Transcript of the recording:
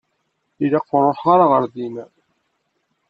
Ilaq ur ruḥeɣ ara ɣer din.